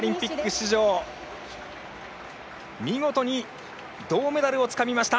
出場見事に銅メダルをつかみました！